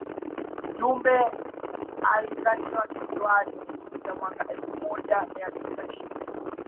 Jumbe alizaliwa kisiwani Unguja mwaka elfu moja mia tisa ishirini